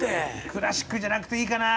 クラシックじゃなくていいかな。